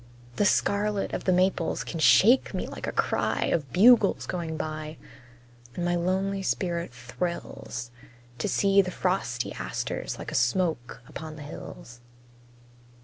The scarlet of the maples can shake me like a cry Of bugles going by. And my lonely spirit thrills To see the frosty asters like a smoke upon the hills.